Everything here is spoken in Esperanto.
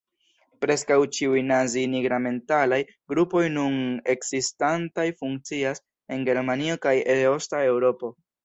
Preskaŭ ĉiuj nazi-nigramentalaj grupoj nun ekzistantaj funkcias en Germanio kaj Eosta Eŭropo.